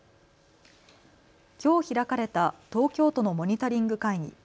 きょう開かれた東京都のモニタリング会議。